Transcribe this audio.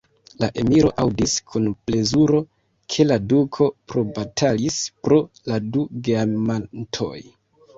La emiro aŭdis kun plezuro, ke la duko probatalis pro la du geamantoj.